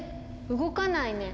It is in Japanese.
動かないね。